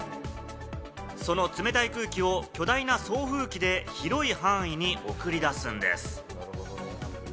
その冷たい空気を巨大な送風機で広い範囲に送り出すんです。